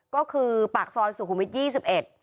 ก็คือปากซ้อนสุขุมิท๒๑